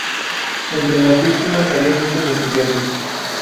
Entre las víctimas había muchos estudiantes".